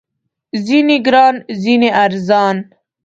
ځینې ګران، ځینې ارزان